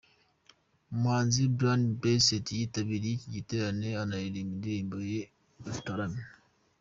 Umuhanzi Brian Blessed yitabiriye iki giterane anaririmba indirimbo ye 'Dutarame'.